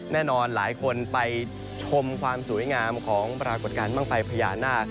แน่นอนหลายคนไปชมความสวยงามของปรากฏการณ์บ้างไฟพญานาค